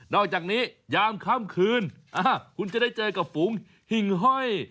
อกจากนี้ยามค่ำคืนคุณจะได้เจอกับฝูงหิ่งห้อย